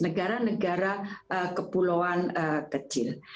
negara negara kepulauan kecil